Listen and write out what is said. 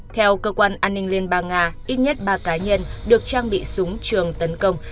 theo cơ quan an ninh liên bang nga ít nhất ba cá nhân được trang bị súng trường tấn công